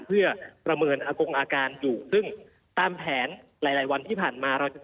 เพื่อประเมินอากงอาการอยู่ซึ่งตามแผนหลายวันที่ผ่านมาเราจะ